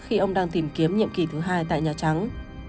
khi ông đang tìm kiếm nhiệm kỳ thứ hai tại nhà trắng